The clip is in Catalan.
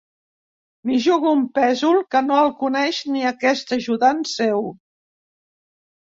M'hi jugo un pèsol que no el coneix ni aquest ajudant seu.